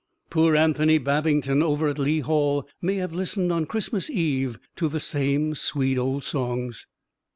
Poor Anthony Babington over at Lea Hall may have listened on Christmas Eve to the same sweet old songs.